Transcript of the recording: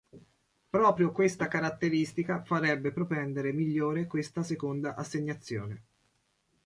Proprio questa caratteristica farebbe propendere migliore questa seconda assegnazione.